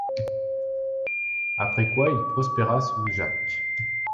Après quoi il prospéra sous Jacques